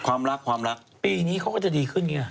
ความรักปีนี้เขาก็จะดีขึ้นไง